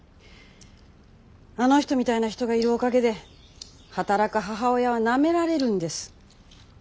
あの人みたいな人がいるおかげで働く母親はなめられるんです。